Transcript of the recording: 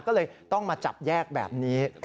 จะต้องมาจับแยกแบบนี้